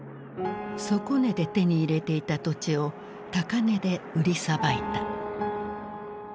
底値で手に入れていた土地を高値で売りさばいた。